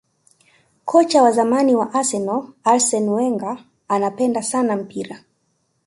kocha wa zamani wa arsenal arsene wenger anapenda sana mpira